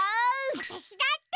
わたしだって！